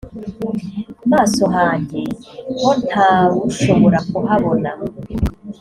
maso hanjye ho nta wushobora kuhabona